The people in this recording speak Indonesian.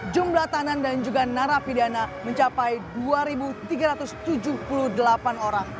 jumlah tanan dan juga narapidana mencapai dua tiga ratus tujuh puluh delapan orang